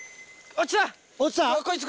落ちた！